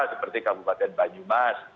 seperti kabupaten banyumas